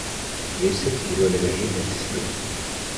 Joycek hiru eleberri idatzi zituen.